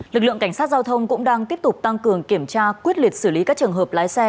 lực lượng cảnh sát giao thông cũng đang tiếp tục tăng cường kiểm tra quyết liệt xử lý các trường hợp lái xe